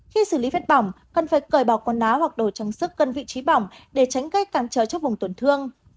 khi xử lý phết bỏng cần phải cởi bỏ quần áo hoặc đồ trang sức gần vị trí bỏng để tránh gây càng trở cho vùng tuần thương